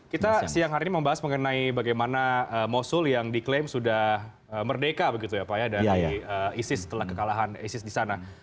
kita siang hari ini membahas mengenai bagaimana mosul yang diklaim sudah merdeka begitu ya pak ya dari isis setelah kekalahan isis di sana